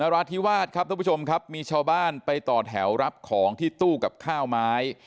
ราธิวาสครับทุกผู้ชมครับมีชาวบ้านไปต่อแถวรับของที่ตู้กับข้าวไม้